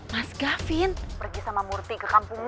mas gaffin pergi sama murthy ke kampungnya